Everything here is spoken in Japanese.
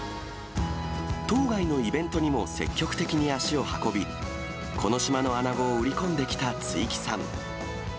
島外のイベントにも積極的に足を運び、この島のアナゴを売り込んできた築城さん。